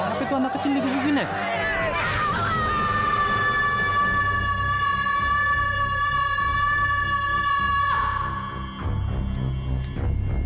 apa itu anak kecil itu begini